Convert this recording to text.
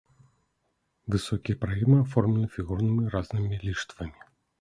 Высокія праёмы аформлены фігурнымі разнымі ліштвамі.